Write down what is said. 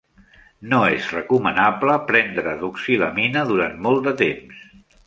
No és recomanable prendre doxilamina durant molt de temps.